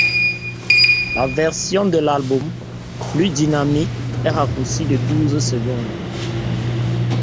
La version de l'album, plus dynamique, est raccourcie de douze secondes.